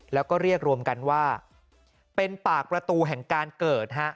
แล้วก็เรียกรวมกันว่าเป็นปากประตูแห่งการเกิดฮะ